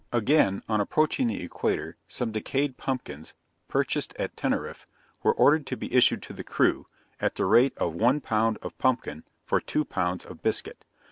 Again, on approaching the equator, some decayed pumpkins, purchased at Teneriffe, were ordered to be issued to the crew, at the rate of one pound of pumpkin for two pounds of biscuit.